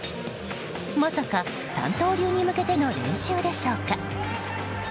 まさか三刀流に向けての練習でしょうか。